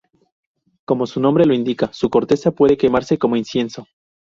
Como su nombre lo indica, su corteza puede quemarse como incienso.